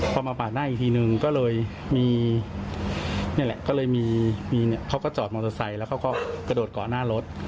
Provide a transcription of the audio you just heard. พอมาปาดหน้าอีกทีหนึ่งก็เลยมีเขาก็จอดมอเตอร์ไซด์แล้วเขาก็กระโดดเกาะหน้ารถ